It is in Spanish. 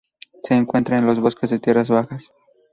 Se encuentra en los bosques de tierras bajas.